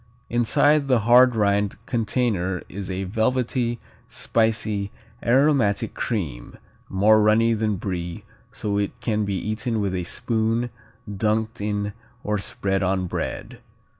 Inside the hard rind container is a velvety, spicy, aromatic cream, more runny than Brie, so it can be eaten with a spoon, dunked in, or spread on bread.